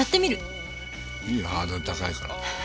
いいよハードル高いから。勉強する。